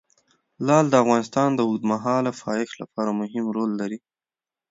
لعل د افغانستان د اوږدمهاله پایښت لپاره مهم رول لري.